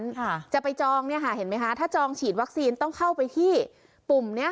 ค่ะจะไปจองเนี้ยค่ะเห็นไหมคะถ้าจองฉีดวัคซีนต้องเข้าไปที่ปุ่มเนี้ย